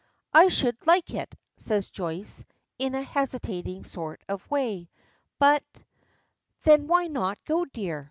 "I should like it," says Joyce, in a hesitating sort of way; "but " "Then why not go, dear?"